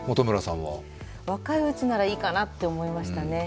若いうちならいいかなって思いましたね。